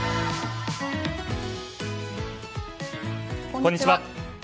こんにちは。